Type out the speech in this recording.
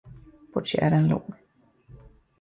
Portieren log.